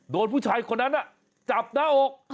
โดนผู้ชายคนนั้นจับหน้าอก